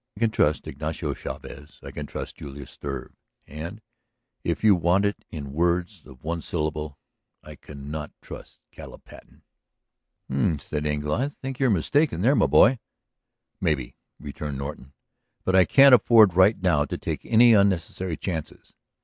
"I can trust Ignacio Chavez; I can trust Julius Struve. And, if you want it in words of one syllable, I cannot trust Caleb Patten!" "Hm," said Engle. "I think you're mistaken there, my boy." "Maybe," returned Norton. "But I can't afford right now to take any unnecessary chances.